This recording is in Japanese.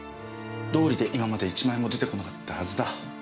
道理で今まで１枚も出てこなかったはずだ。